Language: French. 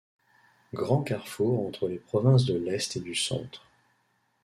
Grand carrefour entre les provinces de l’Est et du Centre.